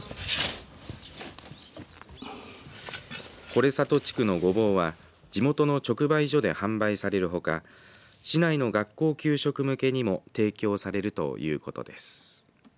是里地区のごぼうは地元の直売所で販売されるほか市内の学校給食向けにも提供されるということです。